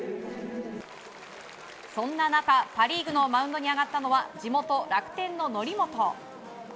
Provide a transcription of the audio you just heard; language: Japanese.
そんな中、パ・リーグのマウンドに上がったのは地元・楽天の則本。